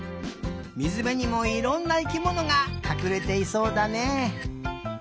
みずべにもいろんな生きものがかくれていそうだね。